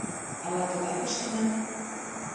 Ала тыгак ыштыман?..